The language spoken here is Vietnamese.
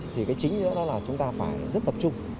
thì cái chính nữa đó là chúng ta phải rất tập trung